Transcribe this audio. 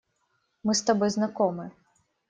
Мы с тобой знакомы.